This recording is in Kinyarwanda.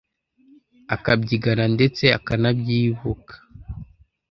akabyigana ndetse akanabyibuka.